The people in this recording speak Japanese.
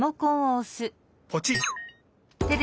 ポチッ！